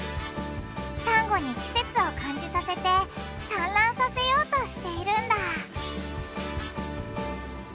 サンゴに季節を感じさせて産卵させようとしているんだ